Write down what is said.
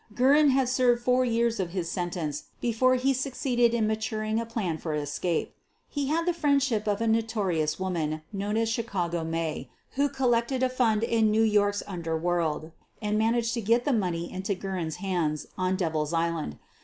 Guerin had served four years of his sentence be fore he succeeded in maturing a plan for escape. He had the friendship of a notorious woman known as "Chicago May," who collected a fund in New York's underworld and managed to get the money into Guerin 's hands on Devil's Island.